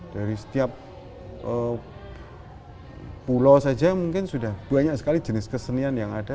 dari setiap pulau saja mungkin sudah banyak sekali jenis kesenian yang ada